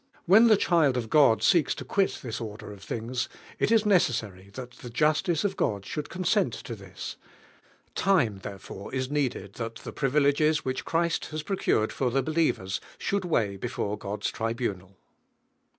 When the child of God seeks to qnit this order of things, it is necessary that the justice of God should ronseiit tx> this; time there fore is needed that the privileges which Christ lias procured for Hie helievers should weigh before God's tribunal Be.